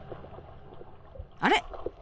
あれ？